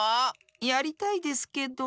やりたいですけど。